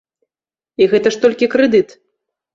І гэта ж толькі крэдыт.